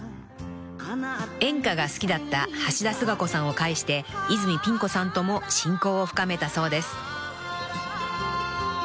［演歌が好きだった橋田壽賀子さんを介して泉ピン子さんとも親交を深めたそうです］